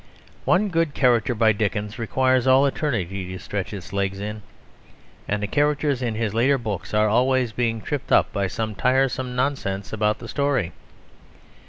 One good character by Dickens requires all eternity to stretch its legs in; and the characters in his later books are always being tripped up by some tiresome nonsense about the story.